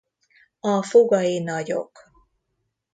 A fogai nagyok.